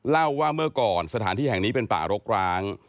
เล่าว่าเมื่อก่อนสถานที่แห่งนี้เป็นป่ารกร้าง